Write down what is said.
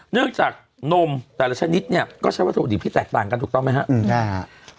เนื่องจากนมแต่ละชนิดเนี่ยก็ใช้วัตถุดิบที่แตกต่างกันถูกต้องไหมครับ